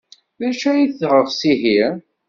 D acu ay teɣs ihi?